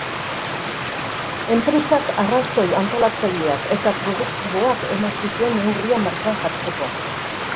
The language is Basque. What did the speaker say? Enpresak arrazoi antolatzaileak eta produktiboak eman zituen neurria martxan jartzeko.